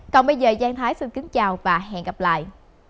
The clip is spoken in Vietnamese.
còn bây giờ giang thái xin kính chào và hẹn gặp lại